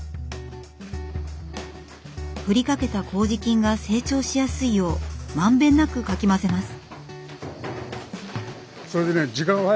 振りかけたこうじ菌が成長しやすいよう満遍なくかき混ぜます。